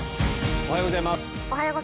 おはようございます。